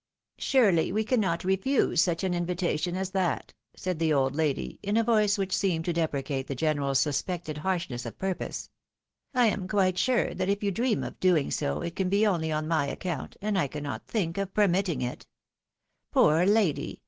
" Surely we cannot refuse such an invitation as that? " said the old lady, in a voice which seemed to deprecate the general's suspected harshness of purpose. " I am quite siure that if you dream of doing so, it can be only on my account, and I cannot think of permitting it. Poor lady!